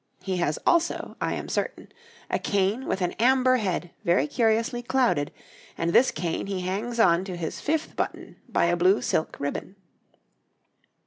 He has also, I am certain, a cane with an amber head very curiously clouded, and this cane he hangs on to his fifth button by a blue silk ribbon.